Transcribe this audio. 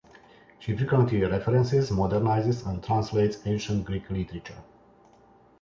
She frequently references, modernizes, and translates Ancient Greek literature.